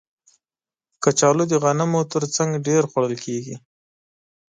کچالو د غنمو تر څنګ ډېر خوړل کېږي